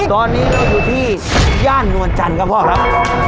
ตอนนี้เราอยู่ที่ย่านนวลจันทร์ครับพ่อครับ